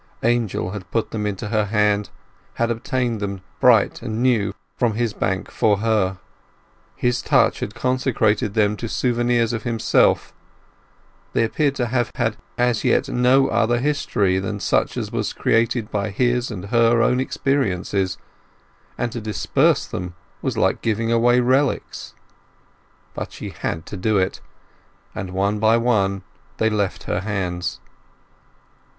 Angel had put them into her hand, had obtained them bright and new from his bank for her; his touch had consecrated them to souvenirs of himself—they appeared to have had as yet no other history than such as was created by his and her own experiences—and to disperse them was like giving away relics. But she had to do it, and one by one they left her hands.